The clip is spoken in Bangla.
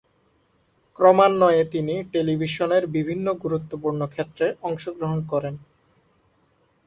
ক্রমান্বয়ে তিনি টেলিভিশনের বিভিন্ন গুরুত্বপূর্ণ ক্ষেত্রে অংশগ্রহণ করেন।